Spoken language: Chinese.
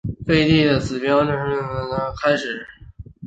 废帝的死标志着胡季牦篡夺陈朝政权的开始。